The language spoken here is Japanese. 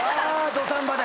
土壇場で。